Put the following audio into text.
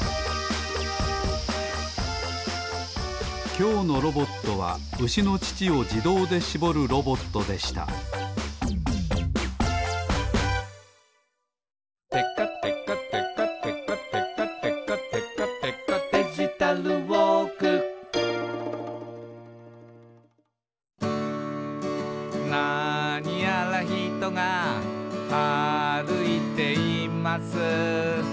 きょうのロボットはうしのちちをじどうでしぼるロボットでした「てかてかてかてかてかてかてかてか」「デジタルウォーク」「なにやらひとが歩いています」